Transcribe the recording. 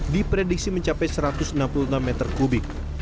diprediksi mencapai satu ratus enam puluh enam meter kubik